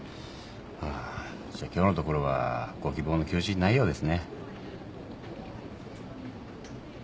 ああじゃ今日のところはご希望の求人ないようですね。